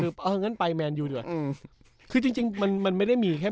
คือเอางั้นไปแมนยูดีกว่าอืมคือจริงจริงมันมันไม่ได้มีแค่